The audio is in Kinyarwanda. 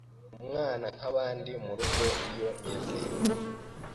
umwana nk’abandi mu rugo iyo ngezeyo